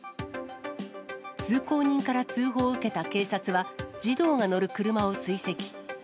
通行人から通報を受けた警察は、児童が乗る車を追跡。